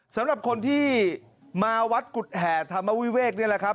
สำหรับคนที่มาวัดกุฎแห่ธรรมวิเวกนี่แหละครับ